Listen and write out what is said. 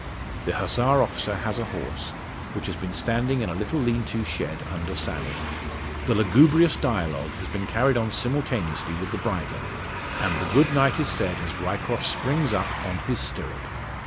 The Hussar officer has a horse, which has been standing in a little lean to shed, under saddle. The lugubrious dialogue has been carried on simultaneously with the bridling, and the "Good night" is said as Ryecroft springs up on his stirrup.